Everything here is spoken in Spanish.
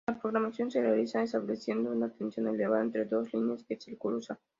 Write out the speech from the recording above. La programación se realiza estableciendo una tensión elevada entre dos líneas que se cruzan.